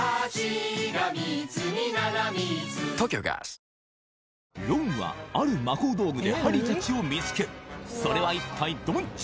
そしてロンはある魔法道具でハリーたちを見つけるそれは一体どっち？